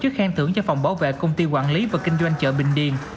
chức khen thưởng cho phòng bảo vệ công ty quản lý và kinh doanh chợ bình điền